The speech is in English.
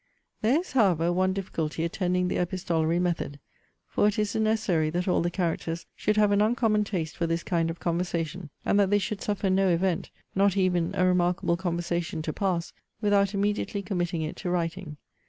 'There is, however, one difficulty attending the epistolary method; for it is necessary that all the characters should have an uncommon taste for this kind of conversation, and that they should suffer no event, not even a remarkable conversation to pass, without immediately committing it to writing.